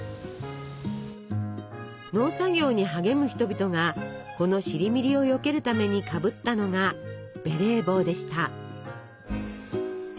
農作業に励む人々がこのシリミリをよけるためにかぶったのがベレー帽でした。